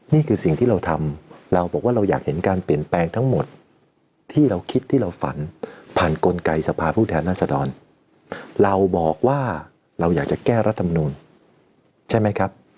นี่คือสิ่งที่เราทำเราบอกว่าเราอยากเห็นการเปลี่ยนแปลงทั้งหมดที่เราคิดที่เราฝันผ่านกลไกสภาพผู้แทนรัศดรเราบอกว่าเราอยากจะแก้รัฐมนูลใช่ไหมครับ